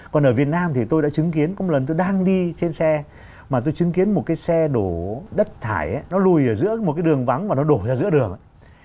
còn ở việt nam thì tôi đã chứng kiến có một lần tôi đang đi trên xe mà tôi chứng kiến một cái xe đổ đất thải nó lùi ở giữa một cái đường vắng và nó đổ ra giữa đường ấy